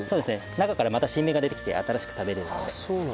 中からまた新芽が出てきて新しく食べれるので。